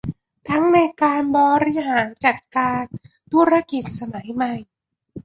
ทั้งในการบริหารจัดการธุรกิจสมัยใหม่